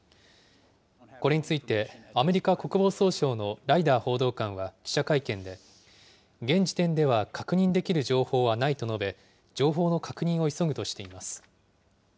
これについてアメリカ国防総省のライダー報道官は記者会見で、現時点では確認できる情報はないと述べ、情報の確認を急ぐとしています。